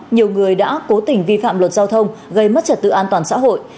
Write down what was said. nhiều người đã cố tình vi phạm luật giao thông gây mất trật tự an toàn xã hội